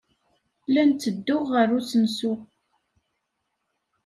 La n-ttedduɣ ɣer usensu.